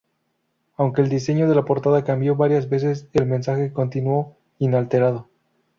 Aunque el diseño de la portada cambió varias veces, el mensaje continuó inalterado.